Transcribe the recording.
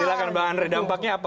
silahkan mbak andri dampaknya apa